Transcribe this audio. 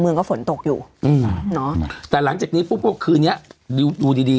เมืองก็ฝนตกอยู่อืมเนอะแต่หลังจากนี้ปุ๊บก็คืนเนี้ยดูดูดีดี